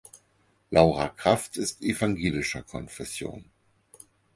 Laura Kraft ist evangelischer Konfession.